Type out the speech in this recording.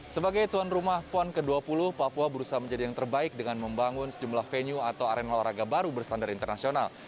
sebagai tuan rumah pon ke dua puluh papua berusaha menjadi yang terbaik dengan membangun sejumlah venue atau arena olahraga baru berstandar internasional